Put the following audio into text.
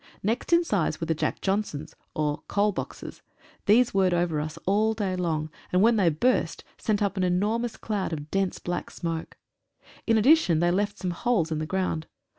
Next in size were the "Jack Johnsons" or "coal boxes." These whirred over us all day long, and when they burst sent up an enormous cloud of dense black smoke. In addition they left some holes in the ground.